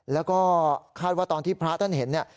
แล้วก็คาดว่าตอนที่พระท่านเห็นเนี่ย